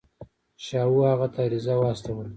شاهو هغه ته عریضه واستوله.